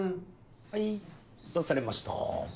はいどうされました？